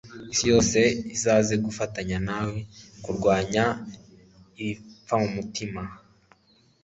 isi yose izaze gufatanya na we kurwanya ibipfamutima